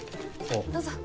どうぞ。